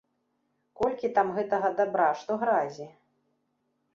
Толькі там гэтага дабра, што гразі.